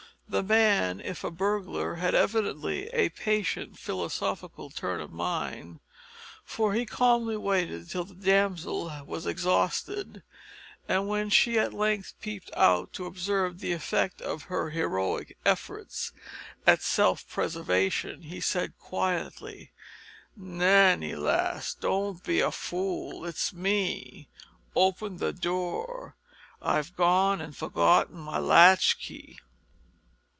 The man, if a burglar, had evidently a patient philosophical turn of mind, for he calmly waited till the damsel was exhausted, and when she at length peeped out to observe the effect of her heroic efforts at self preservation he said quietly, "Nanny, lass, don't be a fool! It's me; open the door; I've gone an' forgot my latch key."